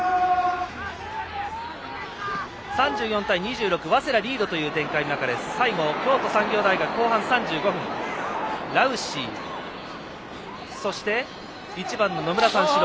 ３４対２６早稲田リードという展開で最後、京都産業大学後半３５分ラウシー、１番の野村三四郎。